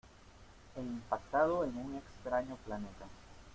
He impactado en un extraño planeta.